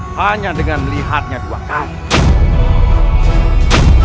hanya dengan lihatnya dua kali